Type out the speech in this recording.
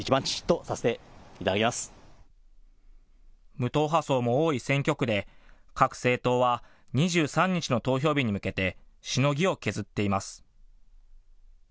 無党派層も多い選挙区で、各政党は２３日の投票日に向けてしのぎを削っています。